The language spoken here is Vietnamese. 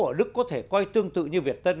ở đức có thể coi tương tự như việt tân